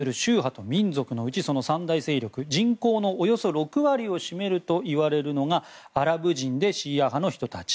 構成する宗派と民族のうちその３大勢力人口のおよそ６割を占めるといわれるのがアラブ人でシーア派の人たち。